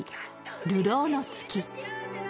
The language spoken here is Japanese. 「流浪の月」。